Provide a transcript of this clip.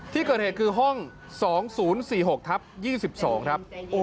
ที่เกิดเหตุคือห้อง๒๐๔๖ทับ๒๒ครับ